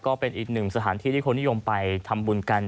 ก็เป็นอีกหนึ่งสถานที่ที่คนนิยมไปทำบุญกัน